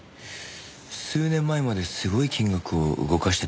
数年前まですごい金額を動かしてたみたいですよ。